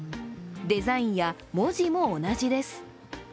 デザインや文字も同じです。